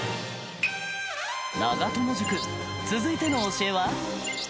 長友塾続いての教えは？